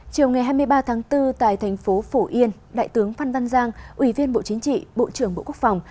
chiều ngày hai mươi ba tháng bốn tại thành phố phổ yên đại tướng phan văn giang ủy viên bộ chính trị bộ trưởng bộ quốc phòng